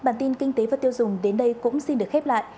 bản tin kinh tế và tiêu dùng đến đây cũng xin được khép lại